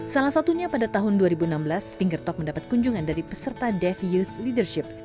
salah satunya pada tahun dua ribu enam belas finger talk mendapat kunjungan dari peserta def youth leadership